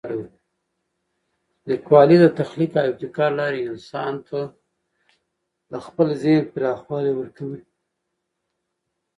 لیکوالی د تخلیق او ابتکار له لارې انسان ته د خپل ذهن پراخوالی ورکوي.